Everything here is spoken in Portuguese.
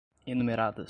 enumeradas